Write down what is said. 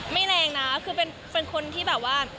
แรงนะคือเป็นคนที่แบบว่า